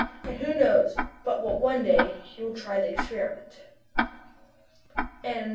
And who knows but what one day, he will try the experiment?